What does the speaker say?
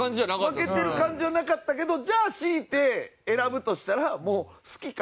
負けてる感じはなかったけどじゃあ強いて選ぶとしたらもう好きか嫌いかや。